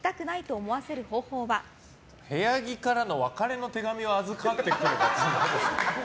部屋着からの別れの手紙を預かってくる。